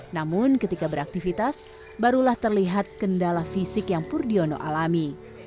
namun ketika beraktivitas barulah terlihat kendala fisik yang pur diono alami